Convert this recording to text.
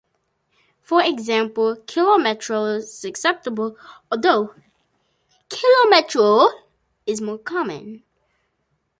For example, "kilometro" is acceptable, although "kilometro" is more common.